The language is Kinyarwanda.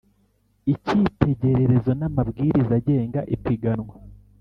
ikitegererezo n’ amabwiriza agenga ipiganwa